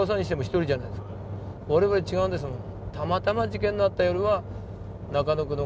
我々違うんですもん。